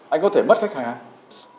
anh có thể mất khách hàng